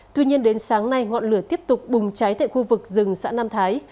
tuy nhiên đến sáng nay ngọn lửa tiếp tục bùng cháy tại khu vực rừng xã nam thái